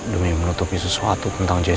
demi menutupi sesuatu tentang jessica